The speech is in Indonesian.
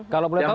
kalau boleh tahu